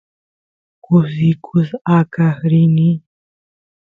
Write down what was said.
kusikus aqaq rini